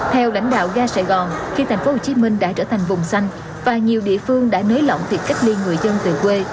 theo lãnh đạo gà sài gòn khi thành phố hồ chí minh đã trở thành vùng xanh và nhiều địa phương đã nới lỏng thiệt cách ly người dân từ quê